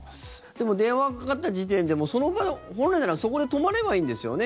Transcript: でも電話がかかった時点でその場合は本来ならそこで止まればいいんですよね。